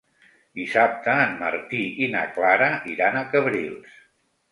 Dissabte en Martí i na Clara iran a Cabrils.